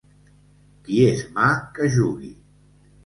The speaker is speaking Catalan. Qui és mà, que jugui.